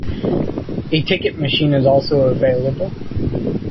A ticket machine is also available.